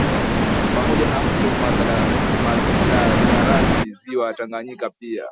Pamoja na mto Malagarasi Ziwa Tanganyika pia